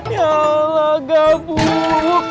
ya allah gabuk